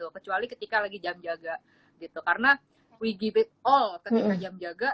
kecuali ketika lagi jam jaga karena kita memberikan segalanya ketika jam jaga